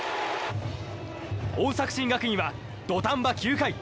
追う作新学院は、土壇場９回。